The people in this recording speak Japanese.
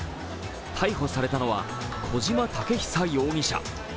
逮捕されたのは小島武久容疑者。